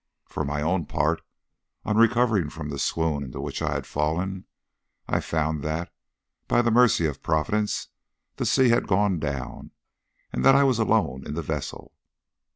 For my own part, on recovering from the swoon into which I had fallen, I found that, by the mercy of Providence, the sea had gone down, and that I was alone in the vessel.